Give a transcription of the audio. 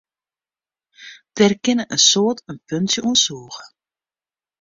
Dêr kinne in soad in puntsje oan sûge.